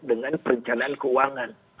dengan perencanaan keuangan